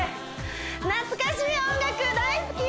懐かしい音楽大好き！